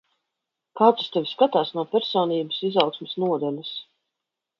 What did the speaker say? Kāds uz tevi skatās no personības izaugsmes nodaļas.